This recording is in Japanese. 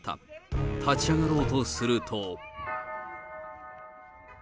立ち上がろうとすると。